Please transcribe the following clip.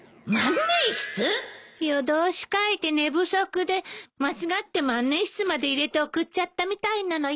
夜通し書いて寝不足で間違って万年筆まで入れて送っちゃったみたいなのよ。